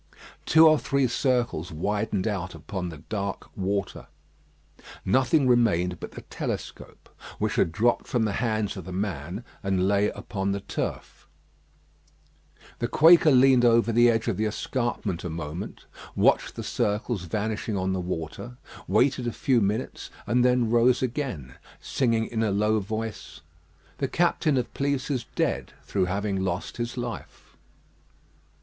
Two or three circles widened out upon the dark water. Nothing remained but the telescope, which had dropped from the hands of the man, and lay upon the turf. The Quaker leaned over the edge of the escarpment a moment, watched the circles vanishing on the water, waited a few minutes, and then rose again, singing in a low voice: "The captain of police is dead, Through having lost his life."